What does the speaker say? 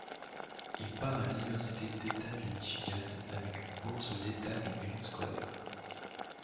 Il part à l'Université d'État du Michigan avec une bourse d'état du mérite scolaire.